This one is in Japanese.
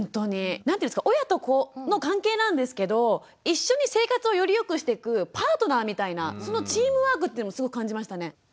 何ていうんですか親と子の関係なんですけど一緒に生活をよりよくしていくパートナーみたいなそのチームワークっていうのをすごい感じましたね。